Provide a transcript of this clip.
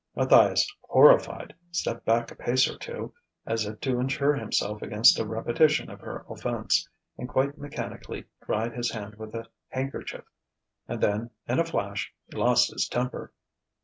Matthias, horrified, stepped back a pace or two, as if to insure himself against a repetition of her offence, and quite mechanically dried his hand with a handkerchief. And then, in a flash, he lost his temper.